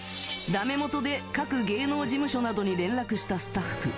ダメもとで各芸能事務所などに連絡したスタッフ。